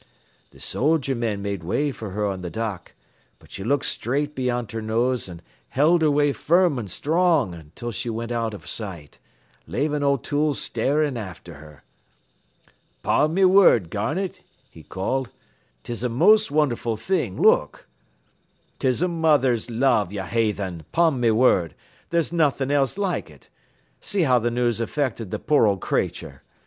"Th' soldier men made way for her on th' dock, but she looked straight beyant her nose an' held her way firm an' strong until she went out av sight, lavin' O'Toole starin' after her. "''Pon me whurd, Garnett,' he called, ''tis a most wonderful thing, look!' "''Tis a mother's love, ye haythen; 'pon me whurd, there's nothin' else like it. See how th' news affected th' poor old crayther.